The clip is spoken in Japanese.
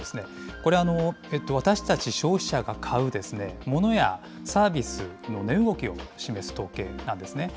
これ、私たち消費者が買うモノやサービスの値動きを示す統計なんですね。